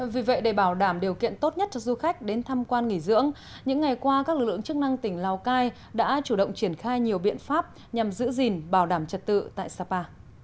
vì vậy để bảo đảm điều kiện tốt nhất cho du khách đến tham quan nghỉ dưỡng những ngày qua các lực lượng chức năng tỉnh lào cai đã chủ động triển khai nhiều biện pháp nhằm giữ gìn bảo đảm trật tự tại sapa